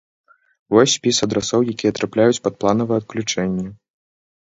Вось спіс адрасоў, якія трапляюць пад планавае адключэнне.